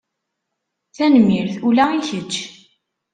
Tanemmirt! Ula i kečč!